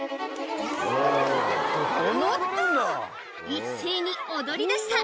一斉に踊り出した。